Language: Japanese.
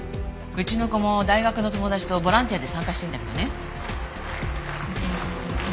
うちの子も大学の友達とボランティアで参加してるんだけどね。